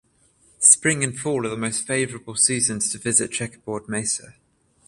Spring and fall are the most favorable seasons to visit Checkerboard Mesa.